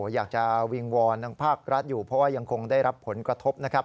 อยากจะวิงวอนทางภาครัฐอยู่เพราะว่ายังคงได้รับผลกระทบนะครับ